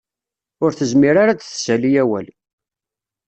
Ur tezmir ara ad d-tessali awal.